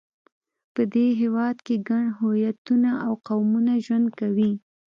په دې هېواد کې ګڼ هویتونه او قومونه ژوند کوي.